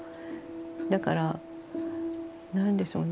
だからなんでしょうね